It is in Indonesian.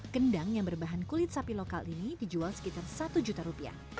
kendang yang berbahan kulit sapi lokal ini dijual sekitar satu juta rupiah